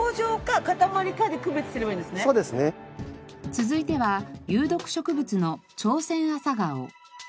続いては有毒植物のチョウセンアサガオ。